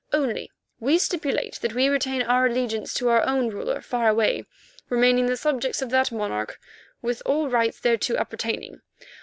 Only we stipulate that we retain our allegiance to our own ruler far away, remaining the subjects of that monarch with all rights thereto appertaining.